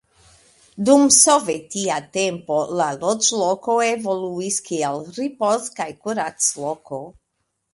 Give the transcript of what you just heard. Dum sovetia tempo la loĝloko evoluis kiel ripoz- kaj kurac-loko.